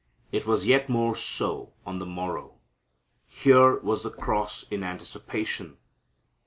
It was yet more so on the morrow. Here was the cross in anticipation.